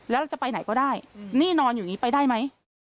แล้วจะไปไหนก็ได้นี่นอนอยู่นี้ไปได้ไหม